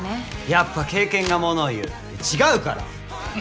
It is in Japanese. やっぱ経験がものをいう違うから！